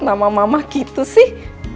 mama mama gitu sih